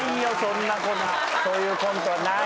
そういうコントない。